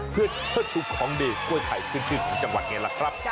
เพื่อเที่ยวถูกของดีกล้วยไข่ขึ้นชื่นจังหวัดไงล่ะครับ